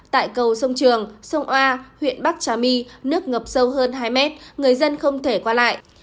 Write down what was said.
tại cầu sông trường sông oa huyện bắc trà my nước ngập sâu hơn hai mét người dân không thể qua lại